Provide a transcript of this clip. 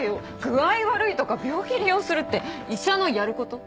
具合悪いとか病気利用するって医者のやること？